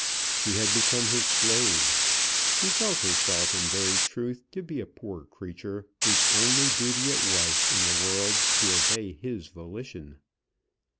She had become his slave; she felt herself in very truth to be a poor creature whose only duty it was in the world to obey his volition.